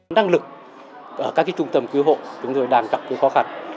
năng lực ở các trung tâm cứu hộ chúng tôi đang gặp khó khăn